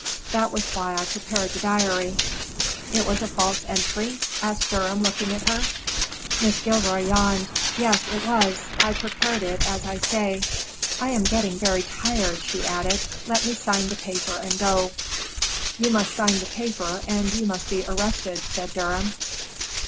That was why I prepared the diary." "It was a false entry?" said Durham, looking at her. Mrs. Gilroy yawned. "Yes, it was. I prepared it, as I say. I am getting very tired," she added. "Let me sign the paper and go." "You must sign the paper, and you must be arrested," said Durham.